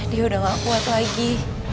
dia udah gak kuat lagi